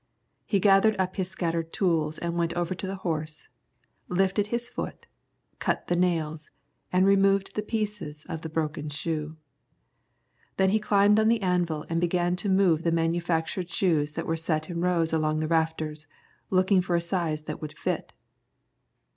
He gathered up his scattered tools and went over to the horse, lifted his foot, cut the nails, and removed the pieces of broken shoe. Then he climbed on the anvil, and began to move the manufactured shoes that were set in rows along the rafters, looking for a size that would fit.